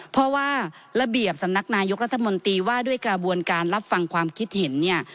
เพราะว่าระเบียบสำนักนายกรัฐมนตรีว่าด้วยกระบวนการรับฟังความคิดเห็นเนี่ย